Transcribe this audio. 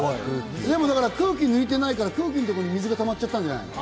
空気を抜いてないから空気のところに水がたまっちゃったんじゃないの？